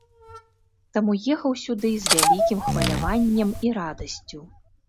Таму ехаў сюды з вялікім хваляваннем і радасцю.